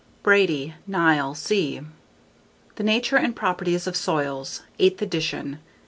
_ Brady, Nyle C. _The Nature and Properties of Soils, _Eighth Edition.